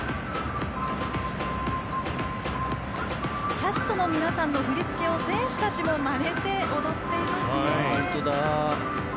キャストの皆さんの振り付けを選手たちもまねて踊っていますね。